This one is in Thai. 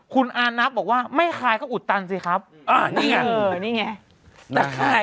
คุณอานับบอกว่าไม่คายก็อุดตันสิครับอ่านี่ไงเออนี่ไงตะข่าย